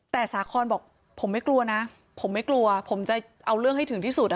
แต่สาคอนบอกผมไม่กลัวนะผมไม่กลัวผมจะเอาเรื่องให้ถึงที่สุด